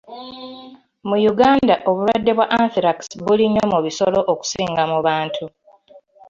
Mu Uganda obulwadde bwa Anthrax buli nnyo mu bisolo okusinga mu bantu.